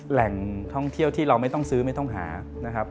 แหล่งท่องเที่ยวที่เราไม่ต้องซื้อไม่ต้องหานะครับ